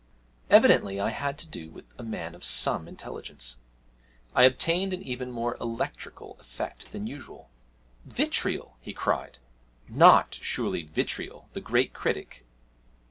"' Evidently I had to do with a man of some intelligence I obtained an even more electrical effect than usual. '"Vitriol!"' he cried, 'not surely Vitriol, the great critic?'